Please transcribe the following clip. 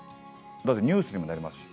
だってニュースにもなりますし。